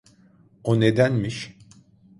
O nedenmiş?